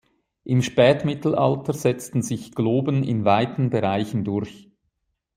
Im Spätmittelalter setzten sich Globen in weiten Bereichen durch.